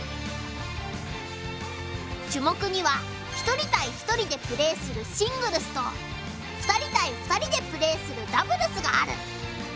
種目には１人対１人でプレーするシングルスと２人対２人でプレーするダブルスがある。